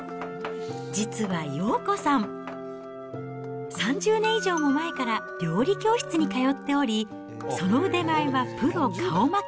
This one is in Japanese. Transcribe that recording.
実は洋子さん、３０年以上も前から料理教室に通っており、その腕前はプロ顔負け